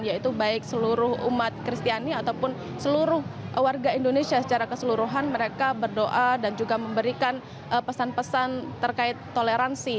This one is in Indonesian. yaitu baik seluruh umat kristiani ataupun seluruh warga indonesia secara keseluruhan mereka berdoa dan juga memberikan pesan pesan terkait toleransi